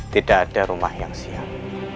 tidak ada rumah yang siap